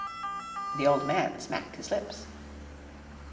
The old man smacked his lips.